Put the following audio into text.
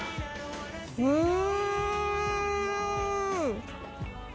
うん！